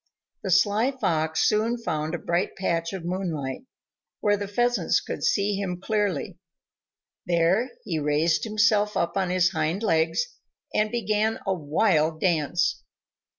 The sly Fox soon found a bright patch of moonlight, where the Pheasants could see him clearly; there he raised himself up on his hind legs, and began a wild dance.